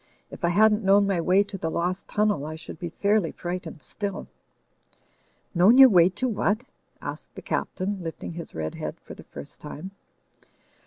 If I hadn't known my way to the lost tunnel, I should be fairly frightened still." "Known your way to what?" asked the Captain, lifting his red head for the first time.